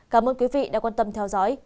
cảm ơn quý vị đã quan tâm theo dõi